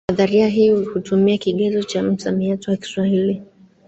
Nadharia hii hutumia kigezo ha msamiati wa Kiswahili